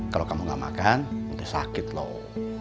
kalau kamu gak makan udah sakit loh